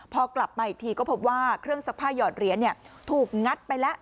พอกลับมาอีกทีก็พบว่าเครื่องซักผ้าหยอดเหรียญถูกงัดไปแล้ว